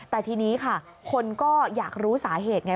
แต่ทีนี้ค่ะคนก็อยากรู้สาเหตุไง